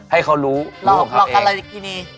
ให้เขารู้หลอกราฬิกรินี